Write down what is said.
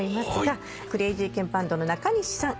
クレイジーケンバンドの中西さん